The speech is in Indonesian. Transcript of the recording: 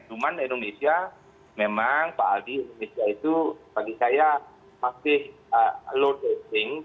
cuman indonesia memang pak aldi indonesia itu bagi saya masih low testing